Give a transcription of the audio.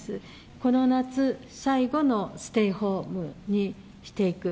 この夏最後のステイホームにしていく。